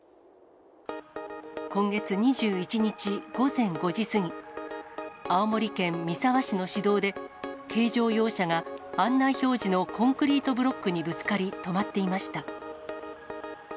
今月２１日午前５時過ぎ、青森県三沢市の市道で、軽乗用車が案内表示のコンクリートブロックにぶつかり止まっていました。